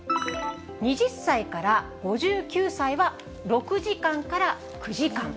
２０歳から５９歳は６時間から９時間。